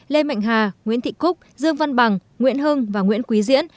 lê mạnh hà nguyễn thị cúc dương văn bằng nguyễn hưng và nguyễn quý diễn